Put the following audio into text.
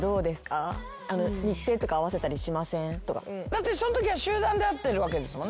だってそのときは集団で会ってるわけですもんね？